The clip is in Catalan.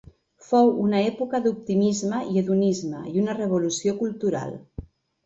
Fou una època d'optimisme i hedonisme, i una revolució cultural.